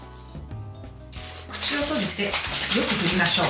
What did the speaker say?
口を閉じてよく振りましょう。